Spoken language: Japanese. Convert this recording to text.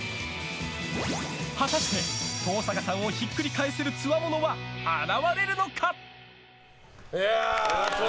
果たして登坂さんをひっくり返せるつわものは現れるのか？